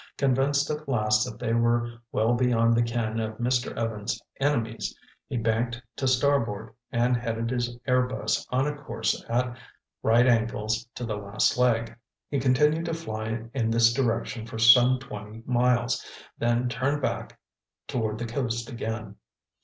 Convinced at last that they were well beyond the ken of Mr. Evans' enemies, he banked to starboard and headed his airbus on a course at right angles to the last leg. He continued to fly in this direction for some twenty miles, then turned back toward the coast again.